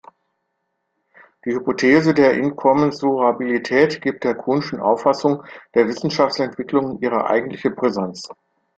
Die Hypothese der Inkommensurabilität gibt der Kuhn’schen Auffassung der Wissenschaftsentwicklung ihre eigentliche Brisanz.